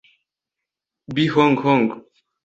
Beehong Hong